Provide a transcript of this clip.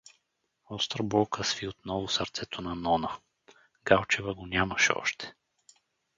Остра болка сви отново сърцето на Нона: Галчева го нямаше още!